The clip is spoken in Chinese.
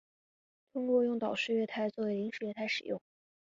通常使用岛式月台作为临时月台使用。